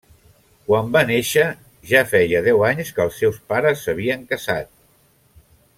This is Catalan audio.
Quan va néixer ja feia deu anys que els seus pares s'havien casat.